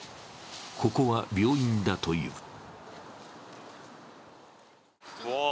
ここは病院だという。